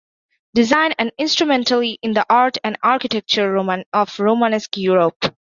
Design and Instrumentality in the Art and Architecture of Romanesque Europe’.